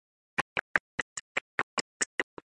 After having breakfast, they are going to the Zoo.